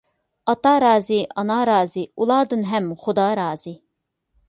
ئاتا رازى، ئانا رازى، ئۇلاردىن ھەم خۇدا رازى.